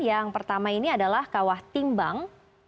yang pertama ini adalah kawah timbang